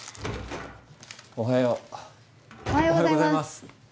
・おはよう。おはようございます。